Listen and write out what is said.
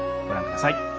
ご覧ください。